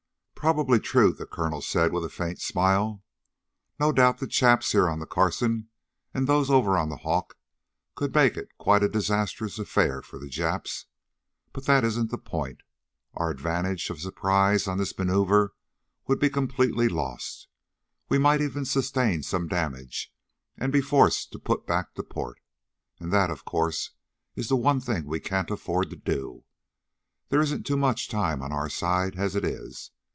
"Probably true," the colonel said with a faint smile. "No doubt the chaps here on the Carson and those over on the Hawk, could make it quite a disastrous affair for the Japs. But that isn't the point. Our advantage of surprise on this maneuver would be completely lost. We might even sustain some damage, and be forced to put back to port. And that, of course, is the one thing we can't afford to do. There isn't too much time on our side as it is.